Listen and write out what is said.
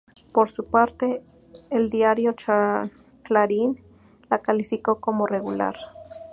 Por su parte, el diario Clarín la calificó como "Regular".